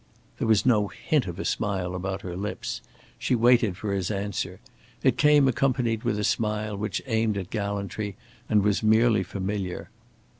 There was no hint of a smile about her lips. She waited for his answer. It came accompanied with a smile which aimed at gallantry and was merely familiar.